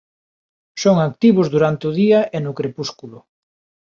Son activos durante o día e no crepúsculo.